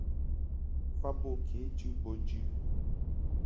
Fa bo kejɨ bo jɨ.